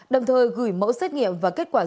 đồng thời gửi mẫu xét nghiệm và kết quả